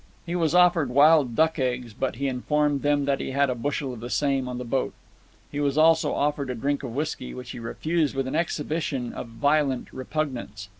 He was offered wild duck eggs, but he informed them that he had a bushel of the same on the boat. He was also offered a drink of whisky, which he refused with an exhibition of violent repugnance.